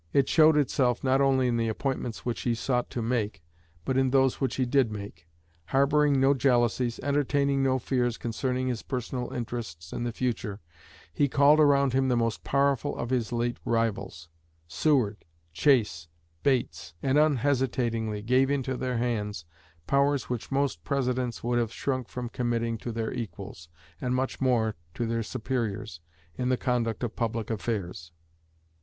It showed itself not only in the appointments which he sought to make but in those which he did make. Harboring no jealousies, entertaining no fears concerning his personal interests in the future, he called around him the most powerful of his late rivals Seward, Chase, Bates and unhesitatingly gave into their hands powers which most Presidents would have shrunk from committing to their equals, and much more to their superiors, in the conduct of public affairs."